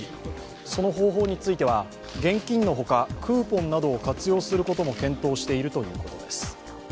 その方法については、現金の他、クーポンなどを活用することも検討しているということです。